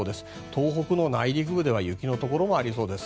東北の内陸部では雪のところもありそうです。